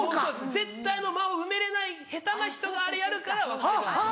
絶対あの間を埋めれない下手な人があれやるから別れるんですよ。